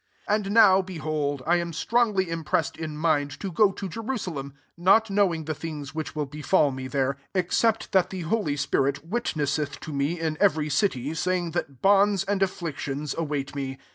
22 " And now, behold, I am strongly impressed in mind to go to Jerusalem; not knowing the things which will befal me there, 23 except that the holy spirit witnesseth to me in every city, saying that bonds and afflictions await me.